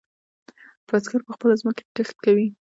بزگر په خپله ځمکه کې کښت کوي.